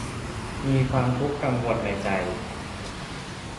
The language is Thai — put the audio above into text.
มีความทุกข์กังวลในใจ